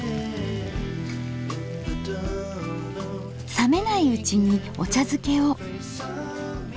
冷めないうちにお茶づけを。